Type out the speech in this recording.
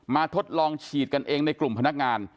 ทดลองฉีดกันเองในกลุ่มพนักงาน